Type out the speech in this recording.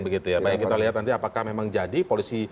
baik kita lihat nanti apakah memang jadi